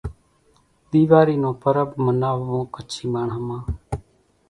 ۮيواري نون پرٻ مناوون ڪڇي ماڻۿان مان